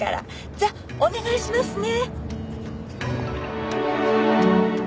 じゃあお願いしますね。